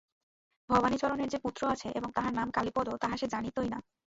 ভবানীচরণের যে পুত্র আছে এবং তাহার নাম কালীপদ তাহা সে জানিতই না।